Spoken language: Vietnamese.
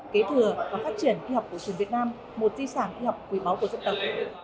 kế thừa và phát triển y học cổ truyền việt nam một di sản y học quý báu của dân tộc